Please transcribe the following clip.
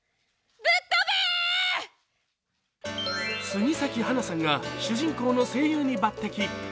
杉咲花さんが主人公の声優に抜擢。